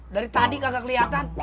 dari tadi kagak keliatan